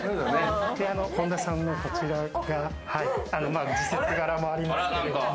本田さんの、こちらが時節柄もありまして。